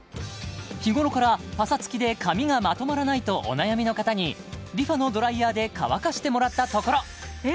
日頃からパサつきで髪がまとまらないとお悩みの方にＲｅＦａのドライヤーで乾かしてもらったところえ